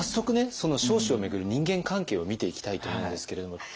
その彰子を巡る人間関係を見ていきたいと思うんですけれども。